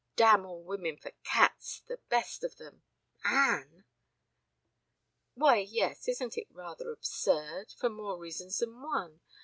(Damn all women for cats, the best of them. Anne!) "Why, yes, isn't it rather absurd for more reasons than one?